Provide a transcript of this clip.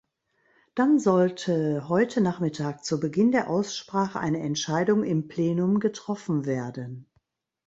Dann sollte heute Nachmittag zu Beginn der Aussprache eine Entscheidung im Plenum getroffen werden.